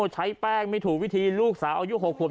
ใช้แป้งไม่ถูกวิธีลูกสาวอนิสัย๖ปี